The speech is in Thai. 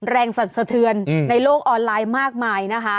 แรงสัดสเทินในโลกออนไลน์มากมายนะฮะ